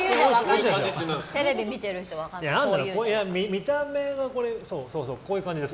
見た目のこういう感じです。